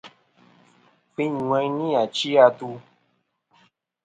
Kfɨyn ŋweyn nɨ̀ ɨchɨ-atu.